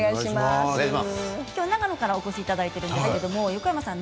長野からお越しいただいているんですけれども、横山さん